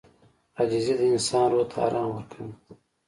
• عاجزي د انسان روح ته آرام ورکوي.